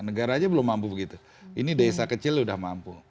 negara aja belum mampu begitu ini desa kecil udah mampu